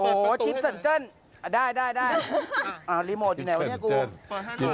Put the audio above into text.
โอ้จิ๊มเซิลเจิ้ตด้ายรีโมทไม่ไหนถ้ายังงี้กู